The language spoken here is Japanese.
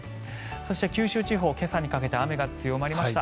そして、九州地方今朝にかけて雨が強まりました。